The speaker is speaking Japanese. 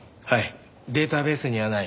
はい。